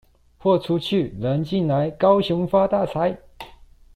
貨出去、人進來，高雄發大財！